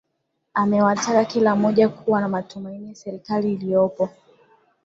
Amewataka kila mmoja kuwa na matumaini na serikali iliyopo